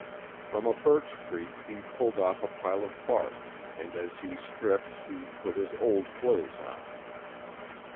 From a birch tree he pulled off a pile of bark, and as he stripped he put his old clothes on it.